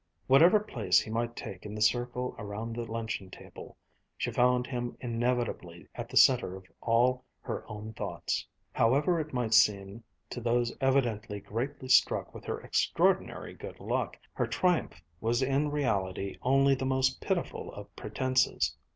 Whatever place he might take in the circle around the luncheon table, she found him inevitably at the center of all her own thoughts. However it might seem to those evidently greatly struck with her extraordinary good luck, her triumph was in reality only the most pitiful of pretenses.